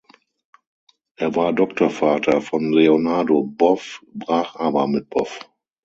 Er war Doktorvater von Leonardo Boff, brach aber mit Boff.